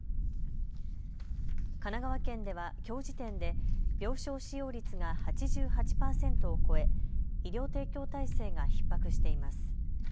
神奈川県ではきょう時点で病床使用率が８８％を超え医療提供体制がひっ迫しています。